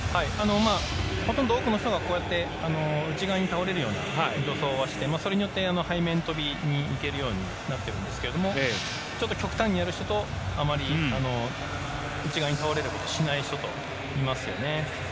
ほとんど多くの人が内側に倒れるような助走はしてそれによって背面跳びにいけるようになっているんですがちょっと極端にやる人とあまり内側に倒れることをしない人といますよね。